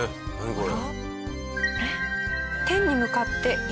これ。